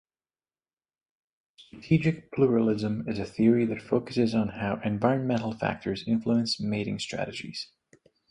Strategic pluralism is a theory that focuses on how environmental factors influence mating strategies.